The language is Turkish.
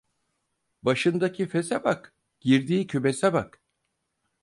Başındaki fese bak, girdiği kümese bak.